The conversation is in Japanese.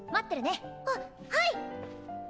あっはい！